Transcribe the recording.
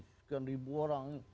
sekian ribu orang